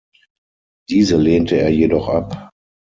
Diese lehnte er jedoch ab.